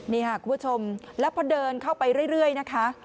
นี่ค่ะคุณผู้ชมแล้วพอเดินเข้าไปเรื่อยนะคะ